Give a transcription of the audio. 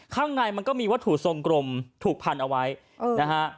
ข้างในมันก็มีวัตถุทรงกลมถูกพันเอาไว้นะฮะ